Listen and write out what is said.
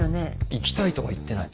「行きたい」とは言ってない。